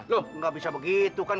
loh nggak bisa begitu kan